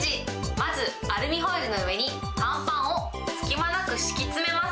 まず、アルミホイルの上に乾パンを隙間なく敷き詰めます。